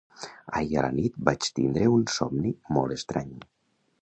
Ahir a la nit vaig tindre un somni molt estrany.